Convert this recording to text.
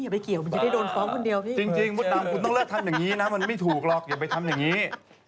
บ้าจริงจริงมุดดำคุณต้องเลือกทำอย่างนี้นะครับมันไม่ถูกหรอกอย่าไปทำอย่างนี้